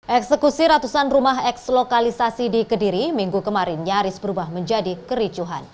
eksekusi ratusan rumah eks lokalisasi di kediri minggu kemarin nyaris berubah menjadi kericuhan